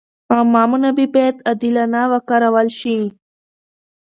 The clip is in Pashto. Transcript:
عامه منابع باید عادلانه وکارول شي.